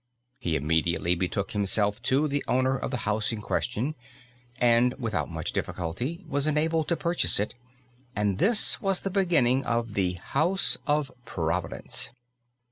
He immediately betook himself to the owner of the house in question, and without much difficulty was enabled to purchase it. And this was the beginning of the "House of Providence."